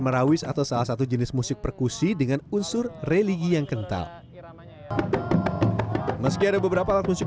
merawis atau salah satu jenis musik perkusi dengan unsur religi yang kental meski ada beberapa alat musik